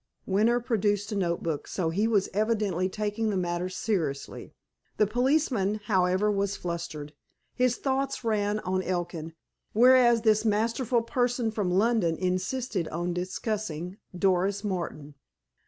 Winter produced a note book, so he was evidently taking the matter seriously. The policeman, however, was flustered. His thoughts ran on Elkin, whereas this masterful person from London insisted on discussing Doris Martin.